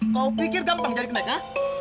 kau pikir gampang jadi kenek ha